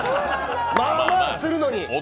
まあまあするのに！